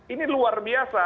ini luar biasa